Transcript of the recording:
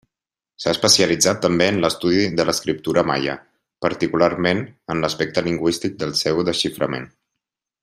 S'ha especialitzat també en l'estudi de l'escriptura maia, particularment en l'aspecte lingüístic del seu desxiframent.